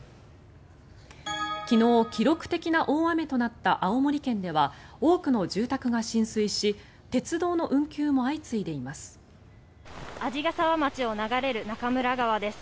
昨日、記録的な大雨となった青森県では多くの住宅が浸水し鉄道の運休も相次いでいます。